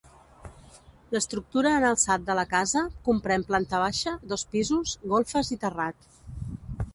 L'estructura en alçat de la casa comprèn planta baixa, dos pisos, golfes i terrat.